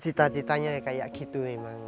cita citanya kayak gitu memang